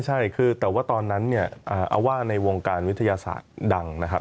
ใช่คือแต่ว่าตอนนั้นเนี่ยเอาว่าในวงการวิทยาศาสตร์ดังนะครับ